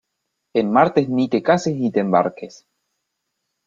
En martes ni te cases ni te embarques.